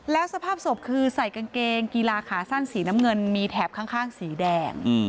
แล้วสภาพศพคือใส่กางเกงกีฬาขาสั้นสีน้ำเงินมีแถบข้างสีแดง